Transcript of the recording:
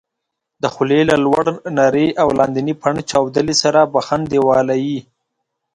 د خولې له لوړ نري او لاندني پنډ چاودلي سره بخن دېواله یې